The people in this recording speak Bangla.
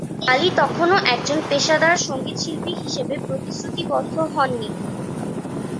ওয়ালি তখনও একজন পেশাদার সংগীতশিল্পী হিসাবে প্রতিশ্রুতিবদ্ধ হননি।